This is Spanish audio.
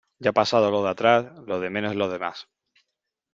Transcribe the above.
Ya pasado lo de atrás, lo de menos es lo demás.